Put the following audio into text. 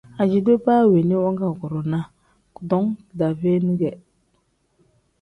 Ajito baa weeni wangaguurinaa kudom kidaave ne ge.